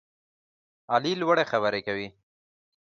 علي لوړې خبرې کوي.